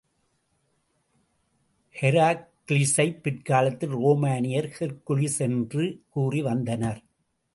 ஹெராக்கிளிஸைப் பிற்காலத்தில் ரோமானியர் ஹெர்க்குலிஸ் என்று கூறி வந்தனர்.